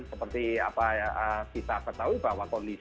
seperti apa ya kita ketahui bahwa kondisi para menteri ini memang sangat bergantung